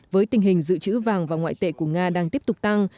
với tình hình dự trữ vàng và ngoại tệ của nga đang tiếp tục tăng